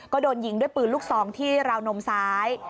ก็โดนยิงด้วยปืนลูกซองที่ราวนมซ้าย